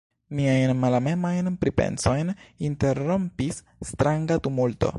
Miajn malamemajn pripensojn interrompis stranga tumulto.